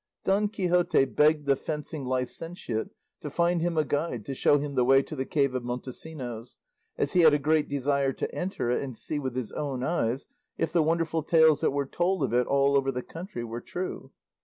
Don Quixote begged the fencing licentiate to find him a guide to show him the way to the cave of Montesinos, as he had a great desire to enter it and see with his own eyes if the wonderful tales that were told of it all over the country were true.